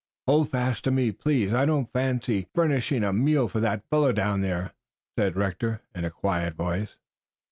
"Hold fast to me, please. I don't fancy furnishing a meal for that fellow down there," said Rector in a quiet voice.